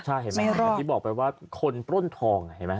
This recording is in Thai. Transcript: ใช่เห็นไหมอย่างที่บอกไปว่าคนปล้นทองเห็นไหม